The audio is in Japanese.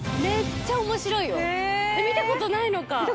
見たことないのか。